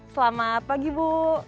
selamat pagi bu